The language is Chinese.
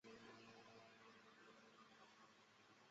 某年春三月二十一日去世。